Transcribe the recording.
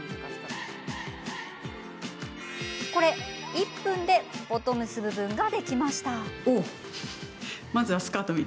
１分でボトムス部分ができました。